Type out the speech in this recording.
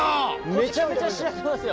めちゃめちゃしなってますよ。